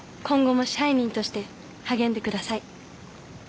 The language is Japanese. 今後も支配人として励んでください。